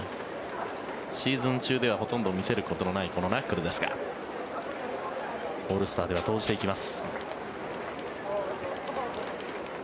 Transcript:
シーズン中ではほとんど見せることのないこのナックルですがオールスターでは投じていきます。